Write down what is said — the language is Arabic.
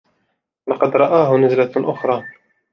ولقد رآه نزلة أخرى